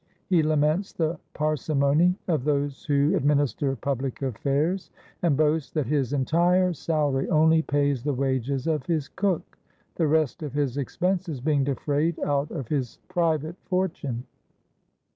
He laments the parsimony of those who ad minister public affairs, and boasts that his entire salary only pays the wages of his cook, the rest of his expenses being defrayed out of his private fortune.